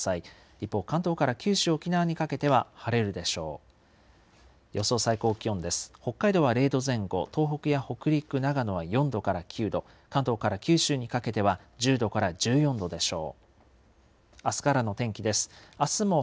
一方、関東から九州、沖縄にかけては晴れるでしょう。